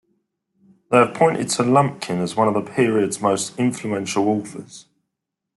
They have pointed to Lumpkin as one of the period's most influential authors.